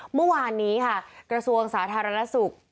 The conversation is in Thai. เมื่อวานนี้ค่ะกระทรวงสาธารณสุข